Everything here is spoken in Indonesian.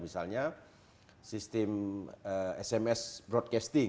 misalnya sistem sms broadcasting